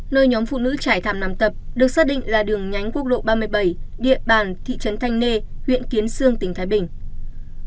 nơi nhóm phụ nữ trải thảm nằm tập được xác định là đường nhánh quốc lộ ba mươi bảy địa bàn thị trấn thanh nê huyện kiến sương tỉnh thái bình